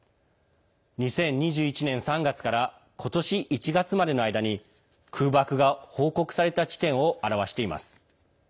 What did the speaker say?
２０２１年３月から今年１月までの間に空爆が報告された地点を表しています。